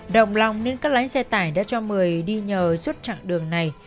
động lòng nên các lánh xe tải đã cho một mươi đi nhờ suốt trạng đường này